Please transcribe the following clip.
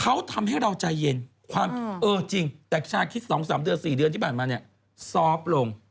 เขาทำให้เราใจเย็นความเออจริงแต่ชาคิด๒๓เดือน๔เดือนที่ผ่านมาเนี่ยซอฟต์ลง